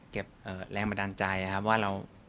เก็บแรงบันดาลใจครับว่าเรา